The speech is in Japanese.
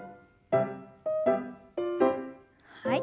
はい。